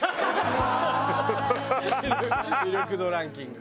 魅力度ランキング。